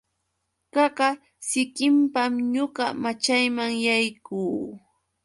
Qaqa sikinpam ñuqa machayman yaykuu.